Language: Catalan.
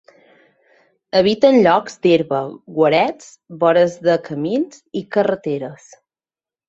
Habita en llocs d'herba, guarets, vores de camins i carreteres.